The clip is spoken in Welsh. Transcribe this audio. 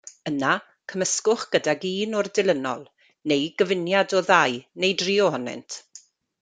Yna cymysgwch gydag un o'r dilynol, neu gyfuniad o ddau neu dri ohonynt.